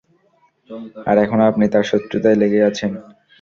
আর এখনো আপনি তার শত্রুতায় লেগে আছেন।